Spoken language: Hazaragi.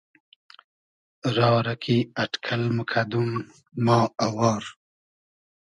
را رۂ کی اݖکئل موکئدوم ما اوار